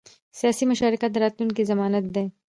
سیاسي مشارکت د راتلونکي ضمانت دی